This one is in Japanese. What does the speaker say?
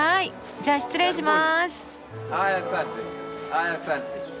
じゃあ失礼します。